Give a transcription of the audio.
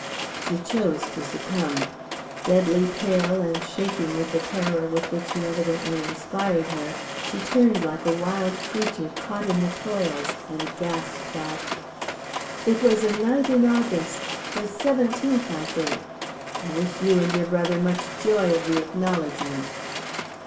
She chose to succumb. Deadly pale and shaking with the terror with which he evidently inspired her, she turned like a wild creature caught in the toils, and gasped out: "It was a night in August the seventeenth, I think. I wish you and your brother much joy of the acknowledgment."